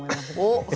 おっ。